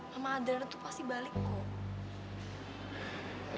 nama adriana tuh pasti balik kok